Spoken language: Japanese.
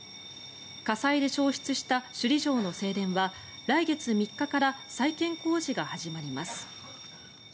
火災で焼失した首里城の正殿は来月３日から再建工事が始まります。